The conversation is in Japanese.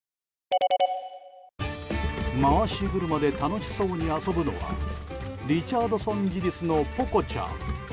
回し車で楽しそうに遊ぶのはリチャードソンジリスのポコちゃん。